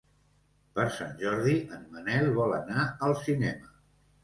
Per Sant Jordi en Manel vol anar al cinema.